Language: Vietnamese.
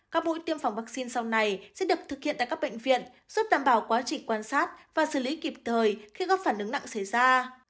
các mũi tiêm phòng vaccine sau này sẽ được thực hiện tại các bệnh viện giúp đảm bảo quá trình quan sát và xử lý kịp thời khi góp phản ứng nặng xảy ra